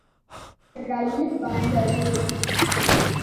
ரயில் வந்தது.